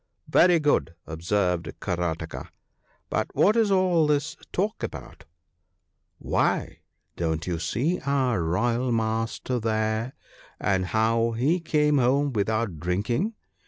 "' Very good,' observed Karataka ;' but what is all this talk about ?'' Why ! don't you see our Royal Master there, and how he came home without drinking